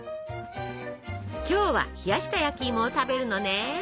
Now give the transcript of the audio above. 今日は冷やした焼きいもを食べるのね。